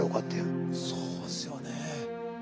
そうですよね。